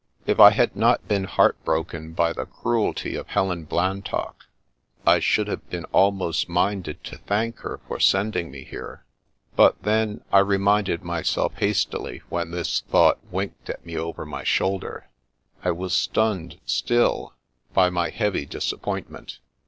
If I had not been heart broken by the cruelty of Helen Blantock, I should have been almost minded to thank her for sending me here. But then, — ^I re minded myself hastily when this thought winked at me over my shoulder, — I was stunned still, by my heavy disappointment.